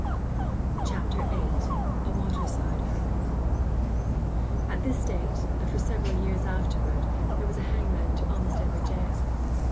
CHAPTER VIII—A WATER SIDE HERMIT At this date, and for several years after, there was a hangman to almost every jail.